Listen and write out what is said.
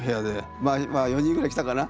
まあ４人ぐらい来たかな？